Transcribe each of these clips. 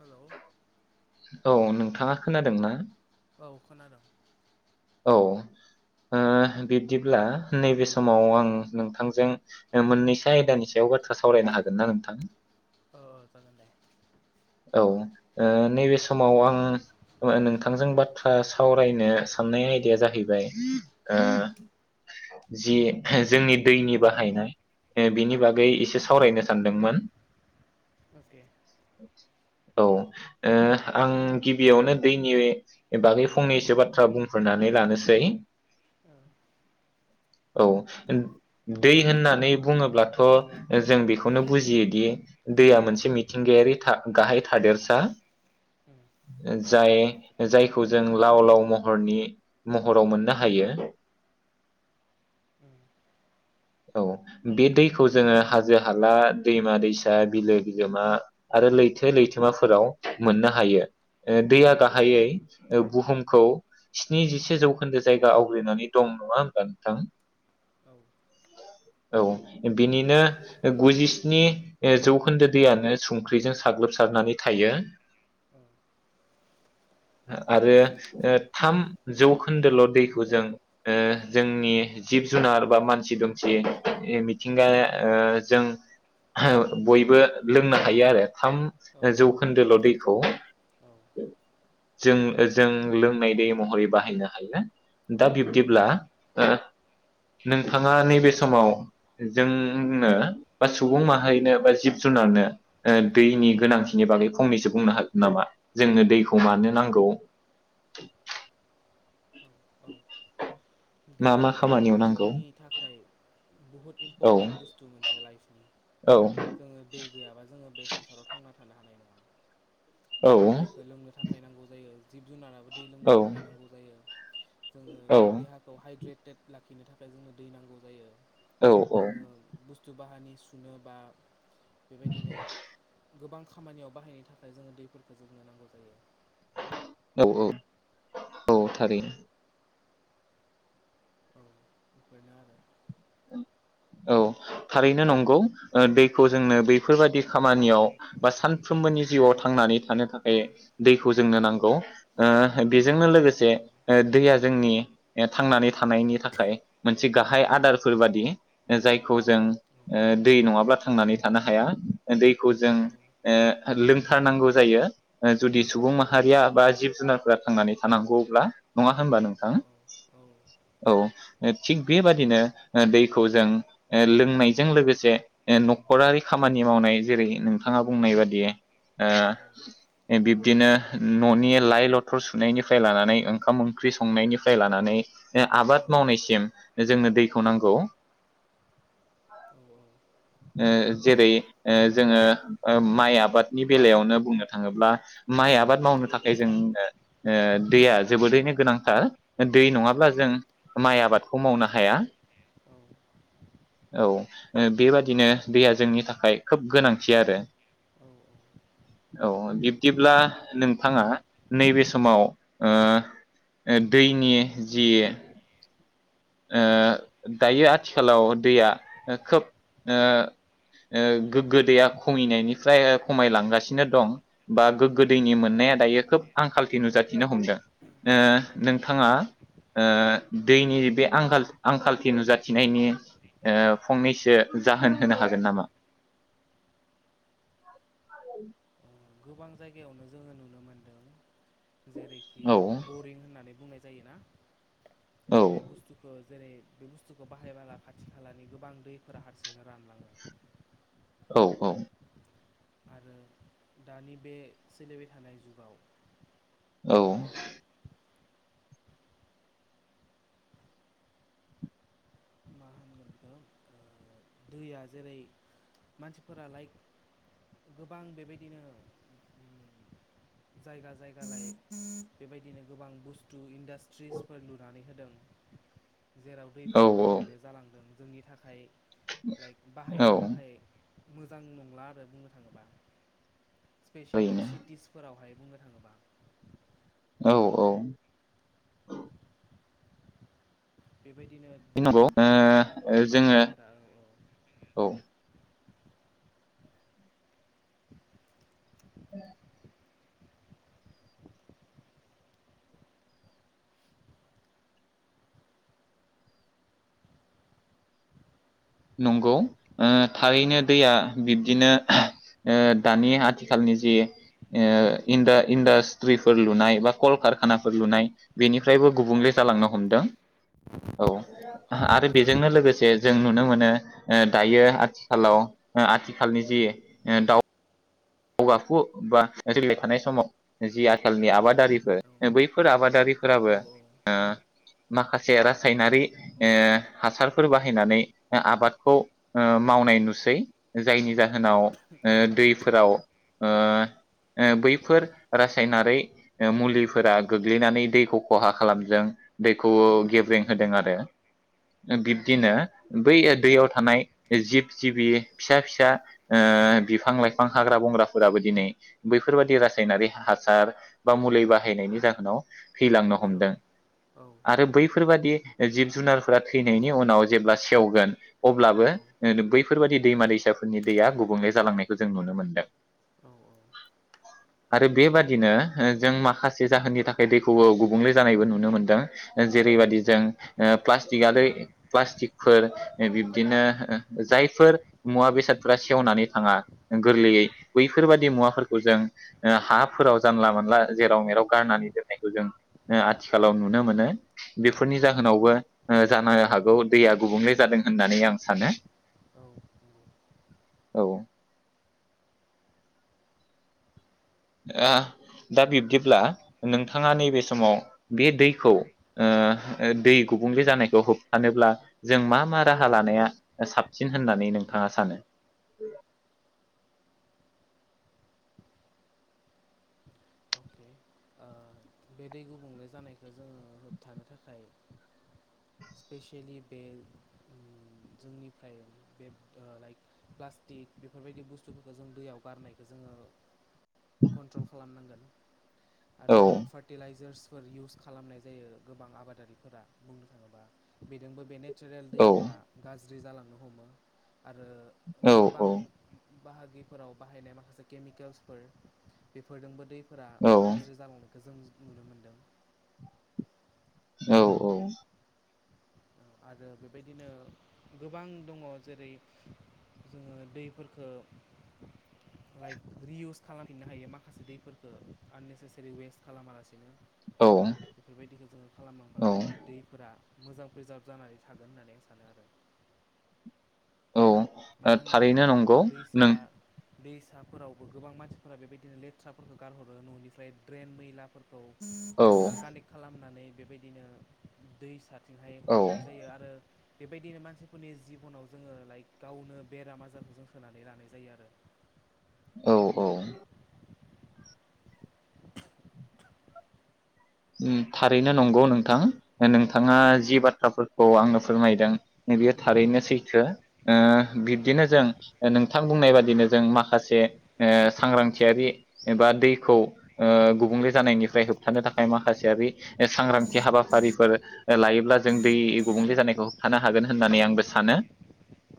Hello औ नोंथाङा खोनादोंना? औ खोनादों। औ ओ बिब्दिब्ला नैबे समाव आं नोंथांजों ओ मोन्नैसो आयदानि सायाव बाथ्रा सावरायनो हागोन ना नोंथां? औ जागोन दे। औ ओ नैबे समाव आं नोंथांजों बाथ्रा सावरायनो सान्नाय आयदाया जाहैबाय ओ जि जोंनि दैनि बाहायनाय बिनि ओ बागै एसे सावरायनो सान्दोंमोन। अके। औ ओ आं गिबियावनो दैनि बागै फंनैसो बाथ्रा बुंफोरनानै लानोसै। औ। औ दै होन्नानै बुङोब्लाथ जों बेखौनो बुजियोदि दैया मोनसे मिथिंगायारि थाख गाहाय थादेरसा उम ओ जाय जायखौ जों लाव लाव महरनि महराव मोन्नो हायो। उम। औ बे दैखौ जोङो हाजो हाला दैमा दैसा बिलो बिलोमा आरो लै थो लैथोमाफोराव मोन्नो हायो। ओ औ दैया गाहायै बुहुमखौ स्निजिसे जौखोन्दो जायगा आवग्रिनानै दं नङा होनबा नोंथां? औ। औ बिनिनो गुजिस्नि जौखोन्दो दैयानो संख्रिजों स साग्लोबसारनानै थायो। आरो थाम जौखोन्दोल दैखौ जों ओ जोंनि जिब जुनार बा मानसि दुमसि मिथिंगाया ओ जों बयबो लोंनो हायो आरो। थाम औ जौखोन्दोल दै खौ औ जों जों लोंनाय दै महरै बाहायनो हायो ना। दा बिब्दिब्ला नोंथाङा नैबे समाव जोंनो बा सुबुं उम माहारिनो बा जिब जुनारनो ओ औ दैनि गोनांथिनि बागै फंनैसो बुंनो हागोन नामा जोंनो दैखौ मानो नांगौ? औ मा मा दैया खामानियाव जाहैबाय नांगौ जोंनि थाखाय बहुत औ इम्परटेन्ट बुस्थु मोनसे लाइफनि औ जोङो दै गैयाबा जों ओ बे संसाराव थांना थानो हानाय नङा। जोंनो औ दैखौ लोंनो थाखाय नांगौ जायो। जिब जुनाराबो दै लोंनो औ थाखाय नांगौ जायो जोङो औ देहा खौ हाइद्रेटेड लाखिनो थाखाय जोंनो दै नांगौ जायो। औ जोङो बुस्थु बाहानि सुनो बा बेबायदिनो गोबां खामानियाव बाहायनो थाखाय जोङो दैफोरखौ जोंनो नांगौ जायो। औ औ औ थारैनो। औ बेफोरनो आरो औ थारैनो नंगौ ओ दैखौ जोंनो बैफोरबादि उम खामानियाव बा सानफ्रोमबोनि जिउआव थांनानै थानो थाखाय दैखौ जोंनो नांगौ ओ बेजोंनो लोगोसे औ ओ दैया जोंनि थांनानै थानायनि थाखाय मोनसे गाहाय आदारफोर बादि जायखौ जों औ ओ दै नङाब्ला थांनानै थानो हाया दैखौ जों औ ओ लोंथारनांगौ जायो जुदि सुबुं माहारिया बा जिब जुनारफोरा थांनानै थानांगौ अब्ला नङा होनबा नोंथां औ थिग बेबादिनो ओ दैखौ जों लोंनायजों लोगोसे ओ न'खरारि खामानि मावनाय जेरै नोंथाङा बुंनाय बादि ओ बिब्दिनो न'नि लाइ लथर सुनायनिफ्राय लानानै ओंखाम ओंख्रि संनायनिफ्राय लानानै ओ आबाद औ मावनायसिम जोंनो दैखौ नांगौ। ओ जेरै जोङो ओ माइ आबादनि बेलायावनो बुंनो थाङोब्ला माइ आबाद मावनो थाखाय जों ओ ओ दैया जोबोरैनो गोनांथार दै नङाब्ला जों माइ आबादखौ मावनो हाया। औ ओ बेबादिनो दैया जोंनि थाखाय खोब गोनांथि आरो औ बिब्दिब्ला नोंथाङा नैबे समाव ओ दैनि जि ओ दायो आथिखालाव दैया खोब ओ ओ गोग्गो दैया खमैनायनिफ्राय खमायलांगासिनो दं बा गोग्गो दैनि मोननाया दायो खोब आंखालथि नुजाथिनो हमदों ओ नोंथाङा ओ दैनि बे आंखाल आंखालथि नुजाथिनायनि ओ फंनैसो जाहोन होनो हागोन नामा? गोबां जायगायावनो जोङो नुनो मोनदों जेरैखि औ बरिं होननानै बुंनाय जायोना औ बे बुस्थुखो जेरै बे बुस्थुखौ बाहायबाला खाथि खालानि गोबां दैफोरा हारसिंनो रानलाङो। औ औ आरो दानि बे सोलिबाय थानाय जुगाव औ ओ मा होनगोन बेखौ ओ दैया जेरै मानसिफोरा लाइक गोबां बेबायदिनो उम जायगा जायगा लाइक बेबायदिनो गोबां बुस्थु इन्दास ट्रिस फोर लुनानै हो दों जेराव औ दैफोरा गुबुंले जालांदों। जोंनि थाखाय लाइक औ बाहायनो थाखाय मोजां नंला आरो बुंनो थाङोबा। स्पेसियेलि थारैनो सिटिसफोरावहाय बुंनो थाङोबा औ औ बेबायदिनो दुंनो नंगौ ओ थाखाय दायो जोङो दैफोरा औ औ औ नंगौ ओ थारैनो दैया बिब्दिनो ओ दानि आथिखालनि जि इन्डा-इन्डास्ट्रिफोर लुनाय बा कलकारखानाफोर लुनाय बेनिफ्रायबो गुबुंले औ जालांनो हमदों। औ आरो बेजोंनो लोगोसे जों नुनो मोनो ओ दायो आथिखालाव आथिखालनि जि दाउ गाव आखु बा सोलिबाय थानाय समाव जि आथालनि आबादारिफोर बैफोर आबादारि फोराबो औ ओ माखासे रासायनारि ओ हासारफोर बाहायनानै आबादखौ ओ मावनाय नुसै जायनि जाहोन नाव ओ औ दैफोराव ओ ओय बैफोर रासायनारि मुलिफोरा गोग्लैनानै दैखौ खहा खालामदों दै खौ औ गेब्रें होदों आरो बिब्दिनो औ बै दैयाव थानाय जिब जिबि फिसा फिसा ओ बिफां लाइफां हाग्रा बंग्रा फोराबो दिनै बैफोरबादि रासायनारि हासार बा मुलि बाहायनायनि जाहोनाव थैलांनो औ हमदों औ आरो बैफोरबादि जिब जुनारफोरा थैनायनि उनाव जेब्ला सेवगोन अब्लाबो औ बैफोरबायदि दैमा दैसाफोरनि दैया गुबुंले जालांनायखौ जों नुनो मोनदों। औ औ आरो बेबादिनो ओ जों माखासे जाहोननि थाखाय दैखौबो गुबुंले जानायबो नुनो मोनदों। औ जेरैबादि जों प्लास्टिकलआरि प्लास्टिकफोर नंगौ बिब्दिनो जायफोर मुवा बेसादफोरा सेवनानै थांङा गोरलैयै बैफोरबायदि औ मुवाफोरखौ जों ओ हाफोराव जानला मोनानला जेराव मेराव गारनानै देरनायखौ जों आथिखालाव नुनो मोनो बेफोरनि जाहोनावबो जानो हागौ दैया गुबुंले जादों होननानै आं सानो। औ ओ दा बिब्दिब्ला नोंथाङा नैबे समाव बे दैखौ ओ दै गुबुंले जानायखौ होबथानोब्ला जों मा मा राहा लानाया साबसिन होननानै नोंथाङा सानो? अके ओ बे दै गुबुंले जानायखौ जोंङो होबथानो थाखाय स्पेसियेलि बे ओम जोंनिफ्राय बे लाइक प्लास्टिक बेफोरबायदि बुस्थुफोरखौ जों दैयाव गारनायखौ जोंङो कन्ट्रल खालामनांगोन आरो औ जों फार्टिलाइजार्स फोर इउस खालामनाय जायो गोबां आबादारिफोरा बुंनो थाङोबा बेदोंबो बेनो नेसेरेल औ दैफोरा गाज गाज्रि जालांनो हमो। आरो न औ बां औ बाहागिफोराव बाहायनाय माखासे केमिकेल्सफोर बेफोरदोंबो दै फोरा औ गाज्रि जालांदों खो जों नुनो मोनदों। औ औ आरो बेबायदिनो गोबां दंङ जेरै जोंङो दैफोरखो लाइक रिइउस खालामफिननो हायो माखासे दैफोरखो आननेसेसारि वेस्ट खालामालासिनो औ बेफोरबायदिखौ जोंङो औ खालामलांबाला जोंनि दैफोरा मोजां फोजाब जानानै थागोन होननानै आं सानो आरो मानो औ होनबोला थारैनो नंगौ गोबां दैसा नों दैसाफोरावबो गोबां मानसिफोरा बे बायदिनो लेथ्राफोरखौ गारहरो ननिफ्राय ड्रेन मैलाफोरखौ खौ औ जेनेबा कानेक्ट खालामनानै बेबायदिनो दैसा थिंहाय हरनाय औ जायो आरो बेबायदिनो मानसिफोरनि जिबनाव जोङो लाइक गावनो बेराम आजारखौ जों सोनानै लानाय जायो आरो औ औ उम थारैनो नंगौ नोंथां नोंथाङा औ जि बाथ्राफोरखौ आंनो फोरमायदों बेयो औ थारैनो सैथो ओ बिब्दिनो जों नोंथां बुंनाय बादिनो जों माखासे ओ सांग्रांथियारि एबा दैखौ ओ गुबुंले जानायनिफ्राय होबथानो थाखाय माखासे सांग्रांथि हाबाफारिफोर लायोब्ला जों दै गुबुंले जानायखौ होबथानो हागोन होननानै आंबो सानो औ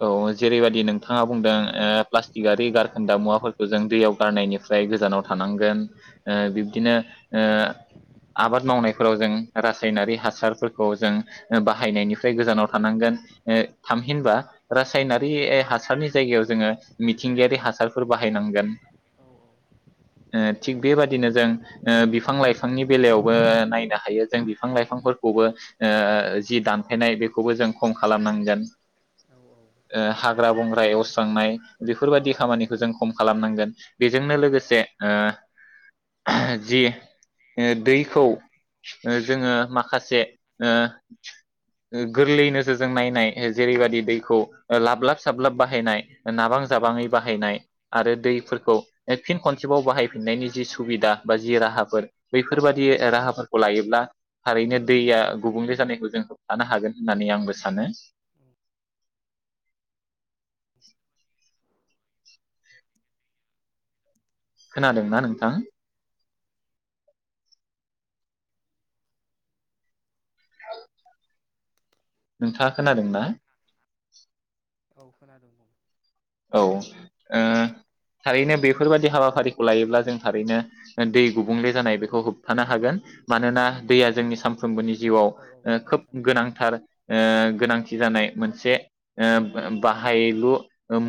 औ जेरैबायदि नोंथाङा बुंदों ओ प्लास्टिकि गारखोनदा मुवाफोरखौ जों दैयाव गारनायनिफ्राय गोजानाव थानांगोन ओ औ बे बिदिनो ओ आबाद मावनायफोराव जों रासायनारि हासारफोरखौ जों बाहायनायनिफ्राय गोजानाव थानांगोन औ थामहिनबा रासायनारि हासारनि जायगायाव जोङो मिथिंगायारि हासारफोर बाहायनांगोन औ थिग बेबादिनो जों बिफां लाइफांनि बेलायावबो नायनो हायो जों बिफां लाइफांफोरखौबो जि दानफायनाय बेखौबो जों खम खालामनांगोन औ ओ औ हाग्रा नंगौ बंग्रा एवस्रांनाय बेफोरबायदि औ खामानिखौ जों खम खालामनांगोन बेजोंनो औ लोगोसे ओ जि दैखौ जोङो ओ माखासे ओ गोरलैयै नोजोर जों नायनाय जेरैबायदि दैखौ लाबलाब साबलाब बाहायनाय नाबां जाबाङै औ बाहायनाय आरो दै फोरखौ फिन खनसेबाव बाहायफिननायनि जि सुबिदा बा जि राहाफोर बैफोरबायदि राहाफोरखौ लायोब्ला थारैनो दैया गुबुंले जानायखौ जों होबथानो हागोन होननानै आंबो सानो। खोनादोंना नोंथां? नोंथाङा खोनादों ना? औ खोनादों औ ओ थारैनो बेफोरबायदि हेलौ हाबाफारिखौ लायोब्ला जों थारैनो दै गुबुंले जानाय बेखौ होबथानो हेलौ हागोन मानोना दैया जोंनि सामफ्रोमबोनि जिउआव औ औ खोब खोनादों खोनादों गोनांथार ओ गोनांथि जानाय मोनसे ओ बाहायलु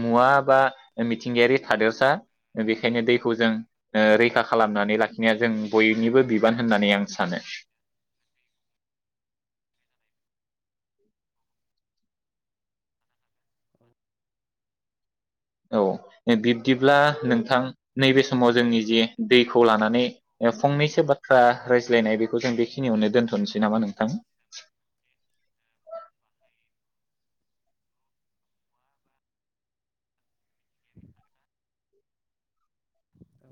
मुवा बा मिथिंगायारि थादेरसा बेखायनो दैखौ जों रैखा खालामनानै लाखिनाया जों बयनिबो बिबान होननानै आं सानो। औ बिब्दिब्ला नोंथां नैबे समाव जोंनि जे दैखौ लानानै फंनैसो बाथ्रा रायज्लायनाय बेखौ जों बेखिनियावनो दोन्थनोसै नामा नोंथां? औ